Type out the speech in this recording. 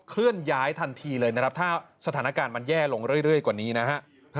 เคลื่อนย้ายทันทีเลยนะครับถ้าสถานการณ์มันแย่ลงเรื่อยกว่านี้นะฮะ